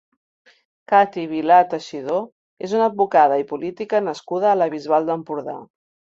Cati Vilà Teixidor és una advocada i política nascuda a la Bisbal d'Empordà.